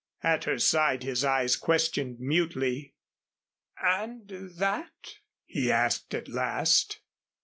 At her side his eyes questioned mutely. "And that?" he asked at last.